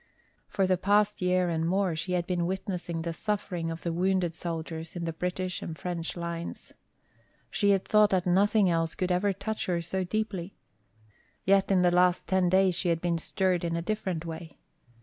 For the past year and more she had been witnessing the suffering of the wounded soldiers in the British and French lines. She had thought that nothing else could ever touch her so deeply. Yet in the last ten days she had been stirred in a different way.